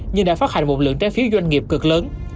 nhưng đã phát hành một lượng trái phiếu doanh nghiệp cực lớn